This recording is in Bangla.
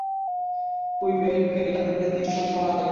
কুইবেক ফেরি টার্মিনালে তিন সপ্তাহ আগে।